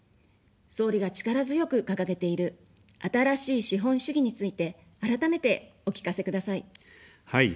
総理が力強く掲げている「新しい資本主義」について、改めてお聞かせください。